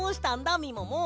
みもも。